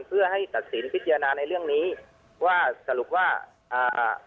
เพื่อให้ตัดสินพิจารณาในเรื่องนี้ว่าสรุปว่าอ่า